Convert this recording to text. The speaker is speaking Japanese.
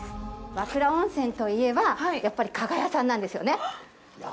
和倉温泉といえばやっぱり加賀屋さんなんですよね。